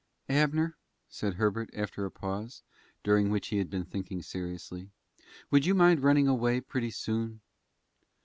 "Abner," said Herbert, after a pause, during which he had been thinking seriously, "would you mind running away pretty soon?"